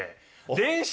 電車？